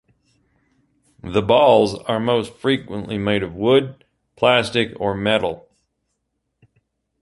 The balls are most frequently made of wood, plastic, or metal.